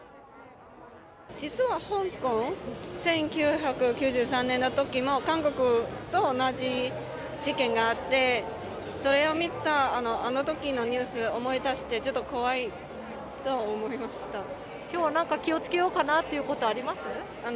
実は香港、１９９３年のときも、韓国と同じ事件があって、それを見た、あのときのニュース思い出して、きょうはなんか、気をつけようかなってことあります？